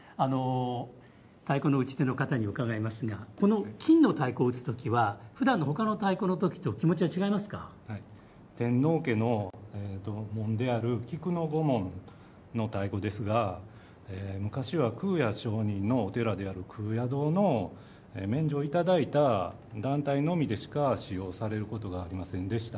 太鼓の打ち手の方に伺いますがこの金の太鼓を打つ時はふだんの他の太鼓の時と天皇家の紋である菊の御紋の太鼓ですが昔は空也上人のお寺である空也堂の免状をいただいた団体のみでしか使用されることがありませんでした。